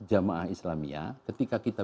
jamaah islamiyah ketika kita